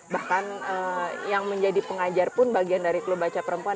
bahkan yang menjadi pengajar pun bagian dari klub baca perempuan